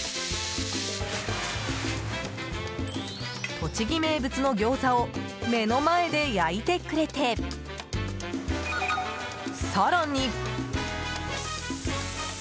栃木名物のギョーザを目の前で焼いてくれて、更に。